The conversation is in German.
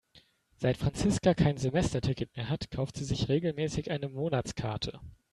Seit Franziska kein Semesterticket mehr hat, kauft sie sich regelmäßig eine Monatskarte.